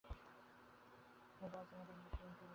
বিনয় গতকল্যকার সমস্ত ঘটনা বিবৃত করিয়া বলিল।